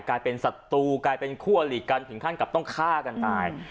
กลายเป็นศัตรูกลายเป็นคู่อลีกันถึงขั้นกับต้องฆ่ากันตาย